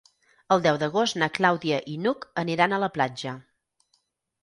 El deu d'agost na Clàudia i n'Hug aniran a la platja.